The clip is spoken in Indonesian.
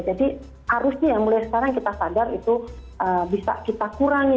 jadi harusnya mulai sekarang kita sadar itu bisa kita kurangi